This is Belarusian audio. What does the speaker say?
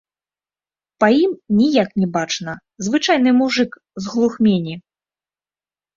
Па ім ніяк не бачна, звычайны мужык з глухмені.